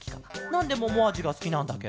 なんでももあじがすきなんだケロ？